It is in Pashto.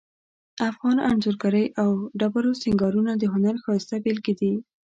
افغان انځورګری او ډبرو سنګارونه د هنر ښایسته بیلګې دي